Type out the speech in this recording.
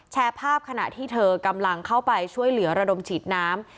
แชร์ภาพขณะที่เธอกำลังเข้าไปช่วยเหลือระดมฉีดน้ำ